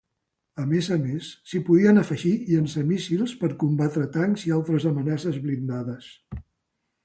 A més a més, s'hi podien afegir llançamíssils per combatre tancs i altres amenaces blindades.